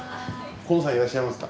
近さんいらっしゃいますか？